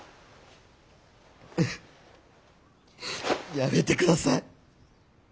やめてください。